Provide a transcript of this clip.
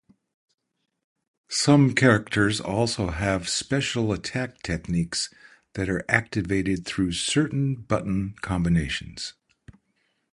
Some characters also have special attack techniques that are activated through certain button combinations.